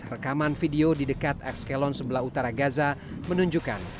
rekaman video di dekat exkelon sebelah utara gaza menunjukkan